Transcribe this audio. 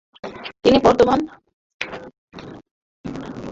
তিনি বর্তমান আলবেনিয়া সুন্নি মুসলিম কমিউনিটির প্রধান।